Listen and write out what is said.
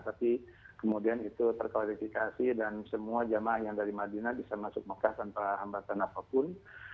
tapi kemudian itu terklarifikasi dan semua jamaah yang dari madinah bisa masuk mekah tanpa hambatan apapun